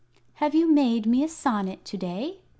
"Have you made me a sonnet to day?"